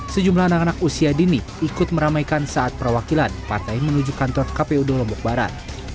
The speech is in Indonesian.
sejumlah anak anak usia dini ikut meramaikan saat perwakilan partai menuju kantor kpud lombok barat